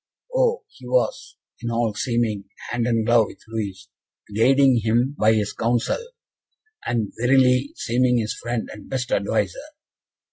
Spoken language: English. Oh, he was, in all seeming, hand and glove with Louis, guiding him by his counsel, and, verily, seeming his friend and best adviser!